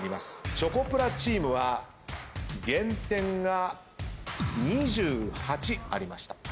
チョコプラチームは減点が２８ありました。